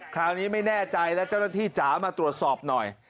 คราวนี้ไม่แน่ใจแล้วเจ้าหน้าที่จ๋ามาตรวจสอบหน่อย